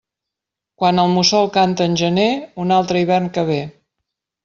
Quan el mussol canta en gener, un altre hivern que ve.